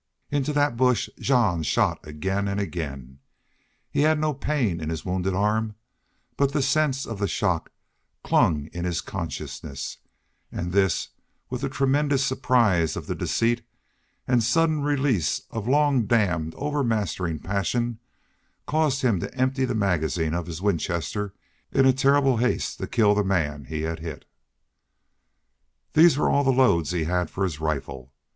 Into that bush Jean shot again and again. He had no pain in his wounded arm, but the sense of the shock clung in his consciousness, and this, with the tremendous surprise of the deceit, and sudden release of long dammed overmastering passion, caused him to empty the magazine of his Winchester in a terrible haste to kill the man he had hit. These were all the loads he had for his rifle.